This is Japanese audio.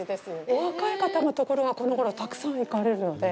お若い方のところが、このごろたくさん行かれるので。